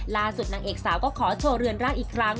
ล่าสุดนางเอกสาวก็ขอโชว์เรือนรากอีกครั้ง